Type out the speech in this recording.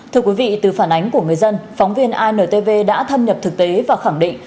thưa quý vị từ phản ánh của người dân phóng viên intv đã thâm nhập thực tế và khẳng định